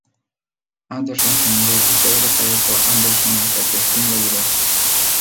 Anderson se negó y fue derrotado por Anderson hasta que Sting lo ayudó.